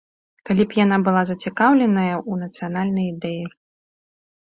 Калі б яна была зацікаўленая ў нацыянальнай ідэі.